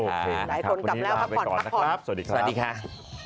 หลายคนกลับแล้วครับผ่อนนะครับสวัสดีครับสวัสดีครับ